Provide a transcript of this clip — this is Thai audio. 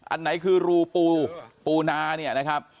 อันไหนคือรูปูปูนา